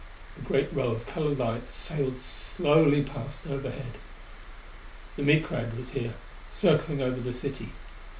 A great row of colored lights sailed slowly past overhead. The Micrad was here, circling over the city.